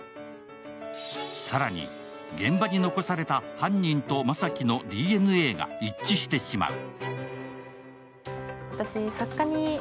更に、現場に残された犯人と雅樹のＤＮＡが一致してしまう。